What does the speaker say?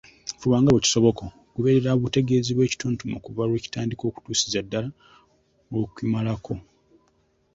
Fuba nga bwe kisoboka okugoberera obutegeezi bw’ekitontome okuva lwe kitandika okutuusiza ddala lw’okimalako.